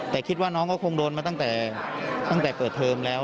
แต่คิดว่าน้องก็คงโดนมาตั้งแต่ตั้งแต่เปิดเทอมแล้ว